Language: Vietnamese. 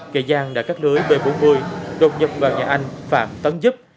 kẻ giang đã cắt lưới b bốn mươi đột nhập vào nhà anh phạm tấn giúp